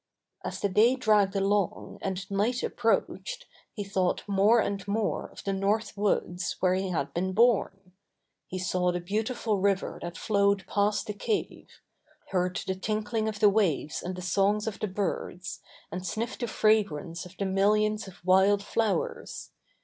As the day dragged along, and night ap proached, he thought more and more of the North Woods where he had been born. He saw the beautiful river that flowed past the cave, heard the tinkling of the waves and the songs of the birds, and sniffed the fragrance of the millions of wild flowers.